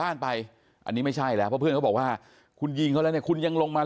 อายุ๑๐ปีนะฮะเขาบอกว่าเขาก็เห็นถูกยิงนะครับ